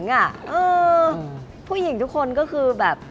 ผู้หญิงทุกคนก็คือแบบ